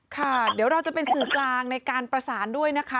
ค่ะเดี๋ยวเราจะเป็นสื่อกลางในการประสานด้วยนะคะ